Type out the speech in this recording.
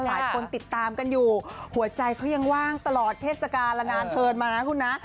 หลายคนติดตามกันอยู่หัวใจเขายังว่างตลอดเทศกาลละนานเทินมานะคุณนะ